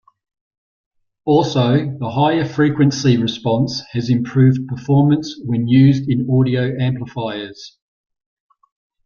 Also the higher frequency response has improved performance when used in audio amplifiers.